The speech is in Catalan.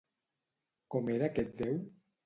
Com era aquest déu?